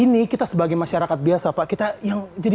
ini kita sebagai masyarakat biasa pak kita